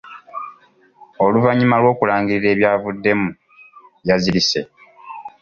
Oluvannyuma lw'okulangirira ebyavuddemu, yazirise.